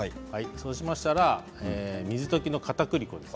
そしたら水溶きのかたくり粉です。